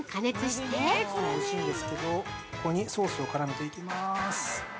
とてもおいしいんですけどここにソースを絡めていきまーす。